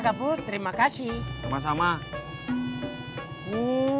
kakek hebat bathtub siap